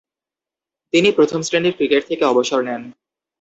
তিনি প্রথম-শ্রেণীর ক্রিকেট থেকে অবসর নেন।